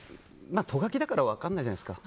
ト書きだから分からないじゃないですか。